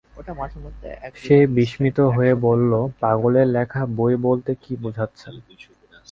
সে বিস্মিত হয়ে বলল, পাগলের লেখা বই বলতে কী বোঝাচ্ছেন?